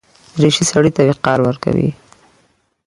دریشي سړي ته وقار ورکوي.